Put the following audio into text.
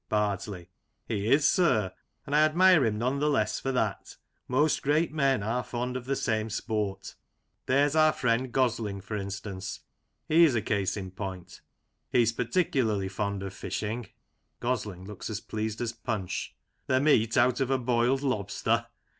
Bardsley : He is, sir, and I admire him none the less for that ; most great men are fond of the same sport There's ii6 Lancashire Characters and Places. our friend Gosling, for instance, he is a case in point. He's particularly fond of fishing — {Gosling looks as pleased as Punch) — the meat out of a boiled lobster.